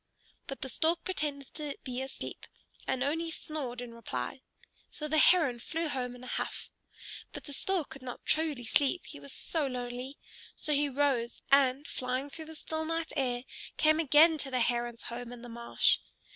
But the Stork pretended to be asleep, and only snored in reply. So the Heron flew home in a huff. But the Stork could not truly sleep, he was so lonely. So he rose, and, flying through the still night air, came again to the Heron's home in the marsh.